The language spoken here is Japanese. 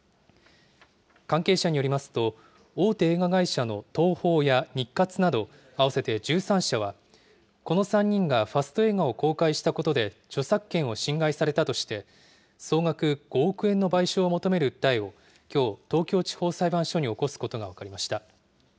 関係者によりますと、大手映画会社の東宝や日活など、合わせて１３社は、この３人がファスト映画を公開したことで、著作権を侵害されたとして、総額５億円の賠償を求める訴えを、きょう、東京地方裁判所に起こすことが分かりました。